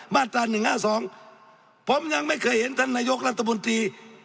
มาตรศาลหนึ่งห้าสองผมยังไม่เคยเห็นท่านนายกรัฐบุนตรี